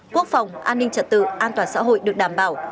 quốc phòng an ninh trật tự an toàn xã hội được đảm bảo